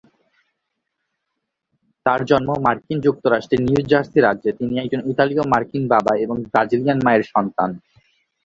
তার জন্ম মার্কিন যুক্তরাষ্ট্রের নিউ জার্সি রাজ্যে, তিনি একজন ইতালীয় মার্কিন বাবা এবং ব্রাজিলিয়ান মায়ের সন্তান।